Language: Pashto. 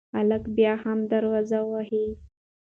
هلک بیا هم دروازه وهي.